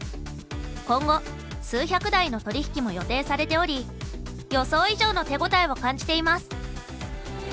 今後数百台の取引も予定されており予想以上の手応えを感じています。